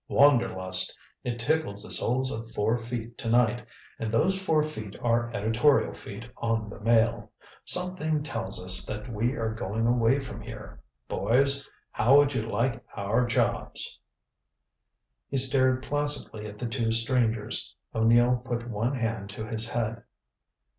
Wanderlust it tickles the soles of four feet to night, and those four feet are editorial feet on the Mail. Something tells us that we are going away from here. Boys how would you like our jobs?" He stared placidly at the two strangers. O'Neill put one hand to his head.